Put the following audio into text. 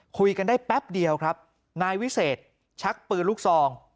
คุยกันได้แป๊บเดียวครับนายวิเศษชักปืนลูกซอง